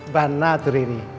banah tuh riri